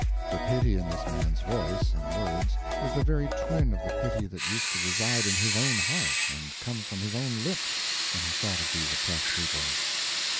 The pity in this man's voice and words was the very twin of the pity that used to reside in his own heart and come from his own lips when he thought of these oppressed peoples.